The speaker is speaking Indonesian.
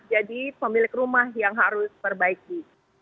jadi pemilik rumah yang harus perbaiki